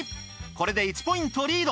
これで１ポイントリード。